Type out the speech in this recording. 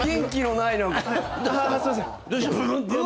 すいません。